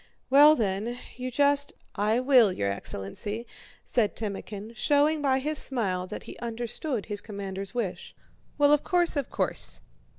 Well, then, you just..." "I will, your excellency," said Timókhin, showing by his smile that he understood his commander's wish. "Well, of course, of course!"